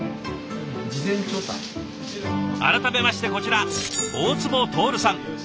改めましてこちら大坪透さん。